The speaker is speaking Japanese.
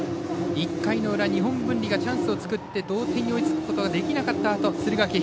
１回の裏、日本文理がチャンスを作って同点に追いつくことができなかったあと敦賀気比。